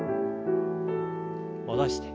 戻して。